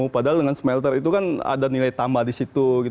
padahal dengan smelter itu kan ada nilai tambah di situ